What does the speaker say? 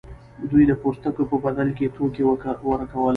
دوی د پوستکو په بدل کې توکي ورکول.